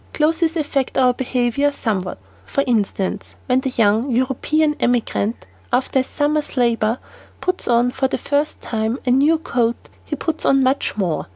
Clothes affect our behavior somewhat. For instance, "When the young European emigrant, after a summer's labor puts on for the first time a new coat, he puts on much more.